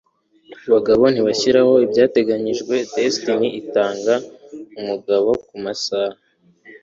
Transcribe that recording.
abagabo ntibashiraho ibyateganijwe, destiny itanga umugabo kumasaha